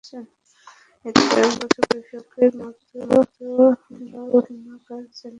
এতে বিগত কয়েক বছর কৃষকের মতো আমরাও হিমাগার চালিয়ে অনেক লোকসান গুনেছি।